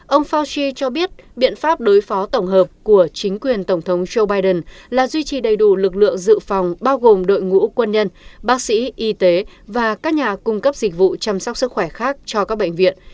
ông faochi cho biết biện pháp đối phó tổng hợp của chính quyền tổng thống joe biden là duy trì đầy đủ lực lượng dự phòng bao gồm đội ngũ quân nhân bác sĩ y tế và các nhà cung cấp dịch vụ chăm sóc sức khỏe khác cho các bệnh viện